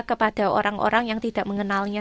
kepada orang orang yang tidak mengenalnya